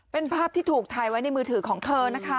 เป็นภาพที่ถูกถ่ายไว้ในมือถือของเธอนะคะ